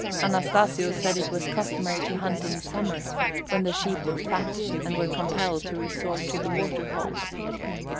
Anastasio said it was customary to hunt in summer, when the sheep were fat, and were compelled to resort to the water holes.